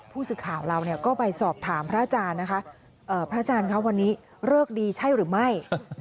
ผู้สื่อข่าวเราก็ไปสอบถามพระอาจารย์นะคะพระอาจารย์ครับวันนี้เลิกดีใช่หรือไม่